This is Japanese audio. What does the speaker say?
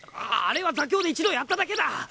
あれは座興で一度やっただけだ。